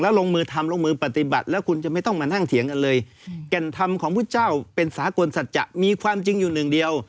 เพราะว่าจริงแล้วคือ